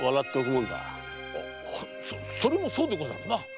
それもそうでござるな。